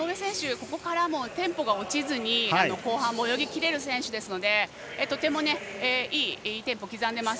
ここからもテンポが落ちずに後半も泳ぎきれる選手なのでとてもいいテンポを刻んでいます。